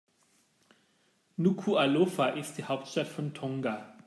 Nukuʻalofa ist die Hauptstadt von Tonga.